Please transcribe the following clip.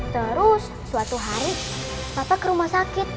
terus suatu hari bapak ke rumah sakit